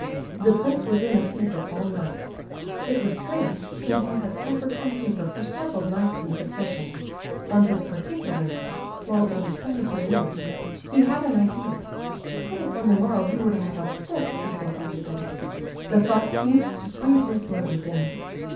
The prince was in a fever all night. It was strange, but he had suffered from fever for several nights in succession. On this particular night, while in semi delirium, he had an idea: what if on the morrow he were to have a fit before everybody? The thought seemed to freeze his blood within him.